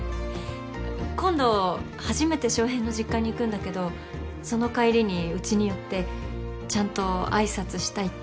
今度初めて翔平の実家に行くんだけどその帰りにうちに寄ってちゃんと挨拶したいって。